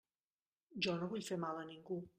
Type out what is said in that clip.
Jo no vull fer mal a ningú.